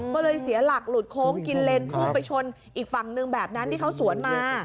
ก็เลยเสียหลักหลุดโค้งกินเลนพุ่งไปชนอีกฝั่งหนึ่งแบบนั้นที่เขาสวนมา